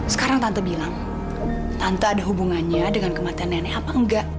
sekarang tante bilang tante ada hubungannya dengan kematian nenek apa enggak